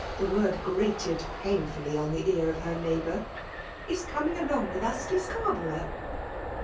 the word grated painftiUy on the ear of her neighbour) : k eoming along with us to Scarborough."